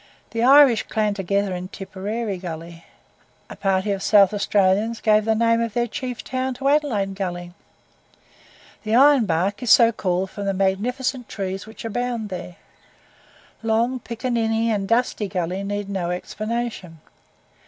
The Irish clan together in Tipperary Gully. A party of South Australians gave the name of their chief town to Adelaide Gully. The Iron Bark is so called from the magnificent trees which abound there. Long, Piccaninny, and Dusty Gully need no explanation.